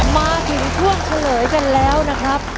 มาถึงช่วงเฉลยกันแล้วนะครับ